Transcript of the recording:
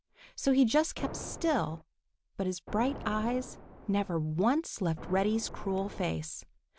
So he just kept still, but his bright eyes never once left Reddy's cruel face.